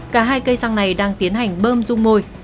cả hai cây xăng này đang tiến hành bơm dung môi